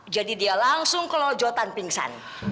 dia langsung kelojotan pingsan